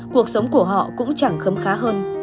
cuộc sống của họ cũng chẳng khấm khá hơn